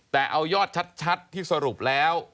แต่เอายอดชัดที่สรุปแล้ว